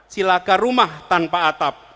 silakah rumah tanpa atap